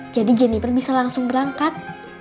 jadi jeniper bisa langsung berangkat